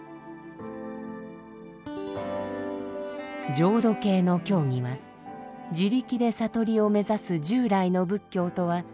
浄土系の教義は自力で悟りを目指す従来の仏教とは一見全く異なります。